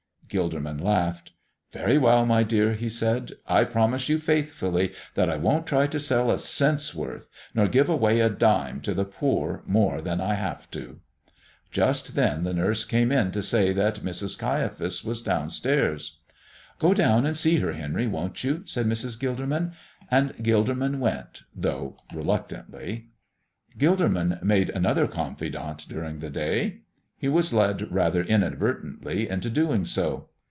Gilderman laughed. "Very well, my dear," he said; "I promise you faithfully that I won't try to sell a cent's worth, nor give away a dime to the poor more than I have to." Just then the nurse came in to say that Mrs. Caiaphas was down stairs. "Go down and see her, Henry, won't you?" said Mrs. Gilderman, and Gilderman went, though reluctantly. Gilderman made another confidant during the day. He was led rather inadvertently into doing so.